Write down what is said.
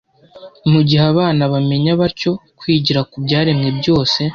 Mu gihe abana bamenya batyo kwigira ku byaremwe byose